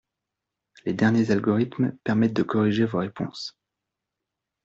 Les derniers algorithmes permettent de corriger vos réponses